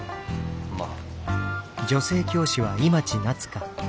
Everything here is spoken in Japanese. まあ。